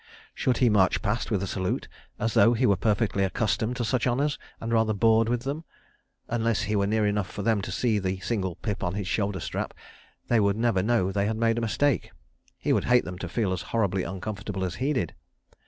Should he march past with a salute, as though he were perfectly accustomed to such honours, and rather bored with them? Unless he were near enough for them to see the single "pip" on his shoulder strap, they would never know they had made a mistake. (He would hate them to feel as horribly uncomfortable as he did.)